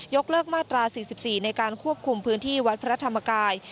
เลิกมาตรา๔๔ในการควบคุมพื้นที่วัดพระธรรมกาย